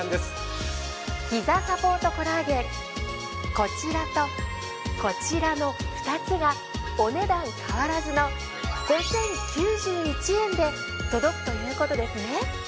こちらとこちらの２つがお値段変わらずの５，０９１円で届くということですね。